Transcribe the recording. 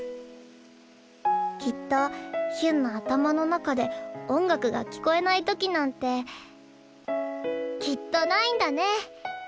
きっとヒュンの頭の中で音楽が聞こえない時なんてきっとないんだね。